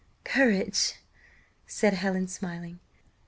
"Courage!" said Helen, smiling.